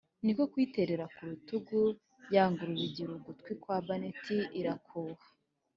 niko kuyiterera ku rutugu. ya ngurube igira ugutwi kwa baneti irakuha.